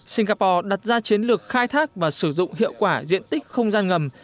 singapore đặt ra chiến lược khai thác và sử dụng hiệu quả diện tích không gian ngầm